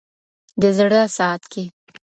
د زړه ساعت كي